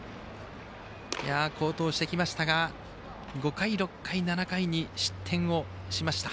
好投してきましたが５回、６回、７回に失点をしました。